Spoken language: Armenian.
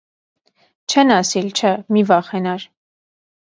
- Չեն ասիլ, չէ, մի վախենար: